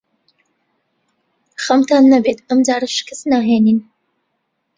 خەمتان نەبێت. ئەم جارە شکست ناهێنین.